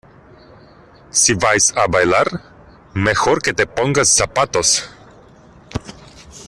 si vais a bailar, mejor que te pongas zapatos.